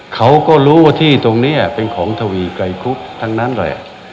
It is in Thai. เขาก็รู้ว่าที่ตรงนี้เป็นของทวีไกรครุฑทั้งนั้นแหละ